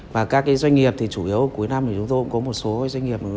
và các doanh nghiệp thì chủ yếu cuối năm thì chúng tôi cũng có một số doanh nghiệp